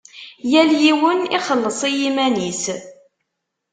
Yal yiwen ixelleṣ i yiman-is.